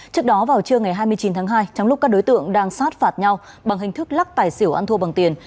trước đó vào trưa ngày hai mươi chín tháng hai trong lúc các đối tượng đang sát phạt nhau bằng hình thức lắc tài xỉu ăn thua bằng tiền